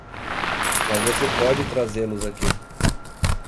Mas você pode trazê-los aqui!